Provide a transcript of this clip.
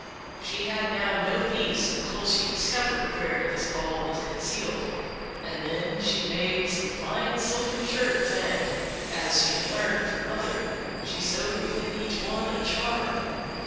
She had now no peace until she discovered where this ball was concealed, and then she made some fine silken shirts, and, as she had learned of her mother, she sewed within each one a charm.